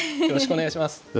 よろしくお願いします。